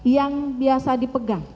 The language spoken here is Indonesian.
yang biasa dipegang